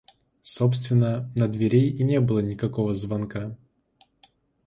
Собственно, на двери и не было никакого звонка.